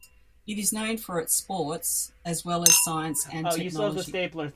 It is known for its sports as well as science and technology.